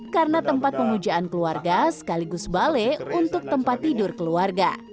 karena tempat pengujaan keluarga sekaligus balai untuk tempat tidur keluarga